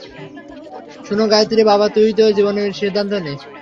শুন গায়েত্রী - বাবা - তুই তোর জীবনের সিদ্ধান্ত নে।